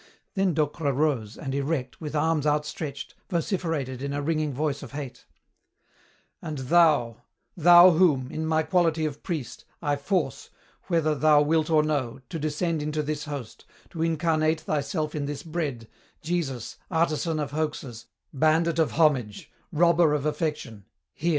Then Docre rose, and erect, with arms outstretched, vociferated in a ringing voice of hate: "And thou, thou whom, in my quality of priest, I force, whether thou wilt or no, to descend into this host, to incarnate thyself in this bread, Jesus, Artisan of Hoaxes, Bandit of Homage, Robber of Affection, hear!